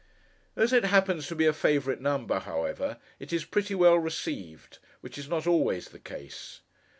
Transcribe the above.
As it happens to be a favourite number, however, it is pretty well received, which is not always the case.